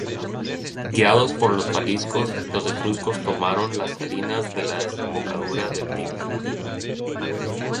Guiados por los faliscos, los etruscos tomaron las Salinas de la desembocadura del Tíber.